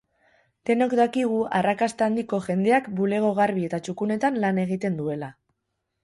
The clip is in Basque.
Denok dakigu arrakasta handiko jendeak bulego garbi eta txukunetan lan egiten duela.